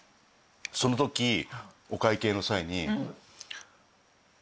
そのときお会計の際に。